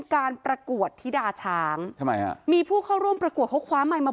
เป็นการประกวดธิดาช้างทำไมฮะมีผู้เข้าร่วมประกวดข้อความใหม่มา